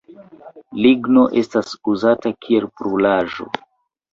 Ligno estas uzata kiel brulaĵo.